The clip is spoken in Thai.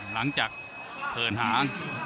หลังจากเผินหา